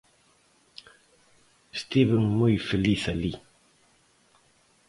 Estiven moi feliz alí.